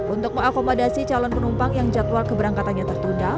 untuk mengakomodasi calon penumpang yang jadwal keberangkatannya tertunda